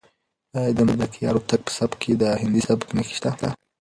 آیا د ملکیار هوتک په سبک کې د هندي سبک نښې شته؟